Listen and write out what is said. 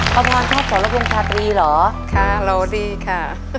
ป้าพรชอบสรพงษ์ชาตรีเหรอค่ะเราดีค่ะ